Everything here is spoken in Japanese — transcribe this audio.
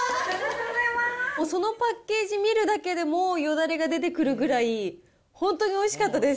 そのパッケージ見るだけで、もうよだれが出てくるぐらい、本当においしかったです。